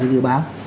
của dự báo